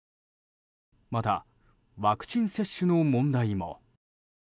また、ワクチン接種の問題も。